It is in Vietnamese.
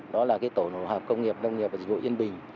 đó là cái tổ hợp công nghiệp công nghiệp và dịch vụ yên bình